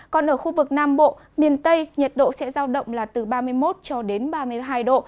còn ở khu vực nam bộ miền tây nhiệt độ sẽ giao động là từ ba mươi một cho đến ba mươi hai độ